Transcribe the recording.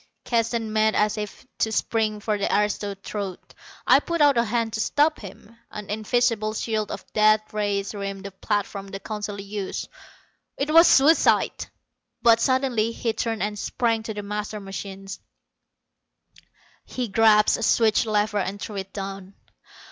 Keston made as if to spring for the aristo's throat. I put out a hand to stop him. An invisible shield of death rays rimmed the platforms the Council used. It was suicide! But suddenly he turned and sprang to the master machine. He grasped a switch lever and threw it down.